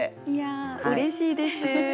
いやうれしいです。